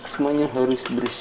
semuanya harus bersih